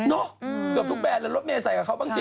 เกือบทุกแบรนดเลยรถเมย์ใส่กับเขาบ้างสิ